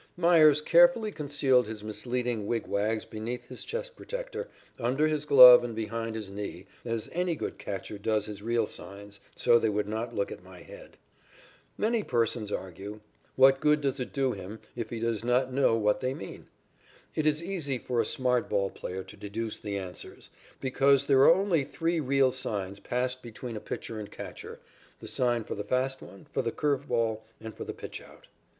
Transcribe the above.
Meyers carefully concealed his misleading wig wags beneath his chest protector, under his glove and behind his knee, as any good catcher does his real signs, so they would not look at my head. Many persons argue: if a man sees the signs, what good does it do him if he does not know what they mean? It is easy for a smart ball player to deduce the answers, because there are only three real signs passed between a pitcher and catcher, the sign for the fast one, for the curve ball and for the pitchout.